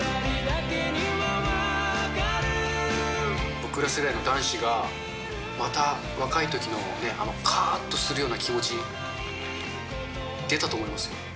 僕ら世代の男子が、また若いときのね、あのかーっとするような気持ち、出たと思います。